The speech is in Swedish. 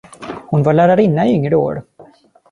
Hon var lärarinna i yngre år.